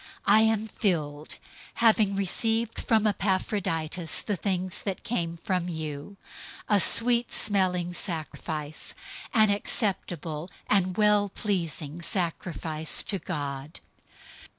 I am filled, having received from Epaphroditus the things that came from you, a sweet smelling fragrance, an acceptable and well pleasing sacrifice to God.